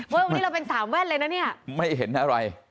วันนี้เราเป็นสามแว่นเลยนะเนี่ยไม่เห็นอะไร